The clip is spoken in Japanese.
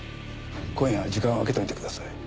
今夜時間を空けといてください。